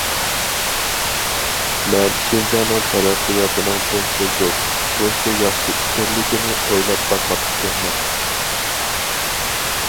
مەن شىنجاڭنىڭ تەرەققىياتىنىڭ بۇنچە زور، بۇنچە ياخشى ئىكەنلىكىنى ئويلاپ باقماپتىكەنمەن.